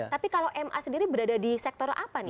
tapi kalau ma sendiri berada di sektor apa nih